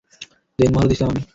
দেনমোহর ও দিসিলাম আমি।